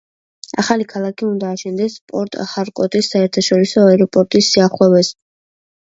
ახალი ქალაქი უნდა აშენდეს პორტ-ჰარკორტის საერთაშორისო აეროპორტის სიახლოვეს.